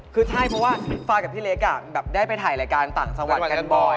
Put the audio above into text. คือใช่เพราะว่าฟายกับพี่เล็กได้ไปถ่ายรายการต่างจังหวัดกันบ่อย